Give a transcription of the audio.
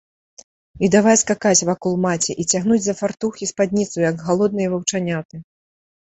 І давай скакаць вакол маці і цягнуць за фартух і спадніцу, як галодныя ваўчаняты.